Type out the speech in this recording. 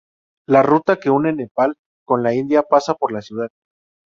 La ruta que une Nepal con la India pasa por la ciudad.